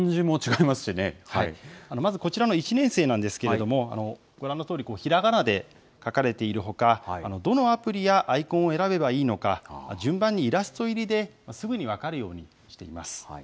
まず、こちらの１年生なんですけれども、ご覧のとおり、ひらがなで書かれているほか、どのアプリやアイコンを選べばいいのか、順番にイラスト入りで、すぐに分かるようにしています。